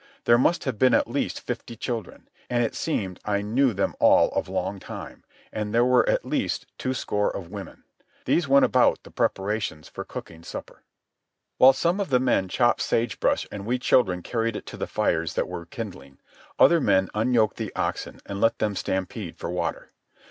There must have been at least fifty children, and it seemed I knew them all of long time; and there were at least two score of women. These went about the preparations for cooking supper. While some of the men chopped sage brush and we children carried it to the fires that were kindling, other men unyoked the oxen and let them stampede for water.